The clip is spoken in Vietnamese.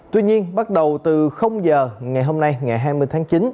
tuy nhiên bắt đầu từ giờ ngày hôm nay ngày hai mươi tháng chín